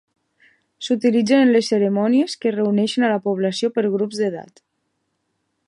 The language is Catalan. S'utilitzen en les cerimònies que reuneixen a la població per grups d'edat.